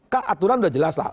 kan aturan udah jelas lah